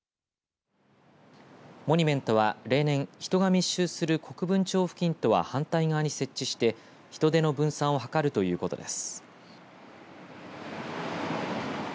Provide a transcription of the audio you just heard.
モニュメントは例年人が密集する国分町付近とは反対側に設置して人出の分散を図るということです。